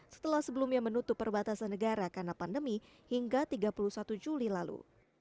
setelah sebelumnya menutup perbatasan negara karena pandemi hingga tiga puluh satu juli lalu